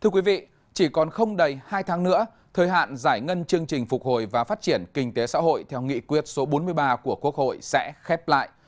thưa quý vị chỉ còn không đầy hai tháng nữa thời hạn giải ngân chương trình phục hồi và phát triển kinh tế xã hội theo nghị quyết số bốn mươi ba của quốc hội sẽ khép lại